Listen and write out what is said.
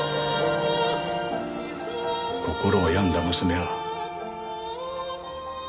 心を病んだ娘は。